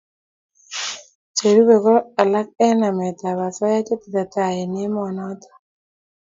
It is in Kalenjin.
Cherubei ko alak eng nametab osoya che tesetai eng emetanyo